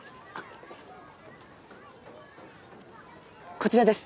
こちらです。